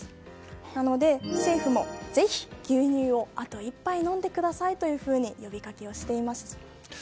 なので、政府もぜひ牛乳をあと１杯飲んでくださいと呼びかけをしています。